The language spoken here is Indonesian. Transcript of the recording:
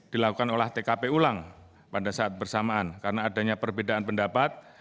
dilakukan olah tkp ulang pada saat bersamaan karena adanya perbedaan pendapat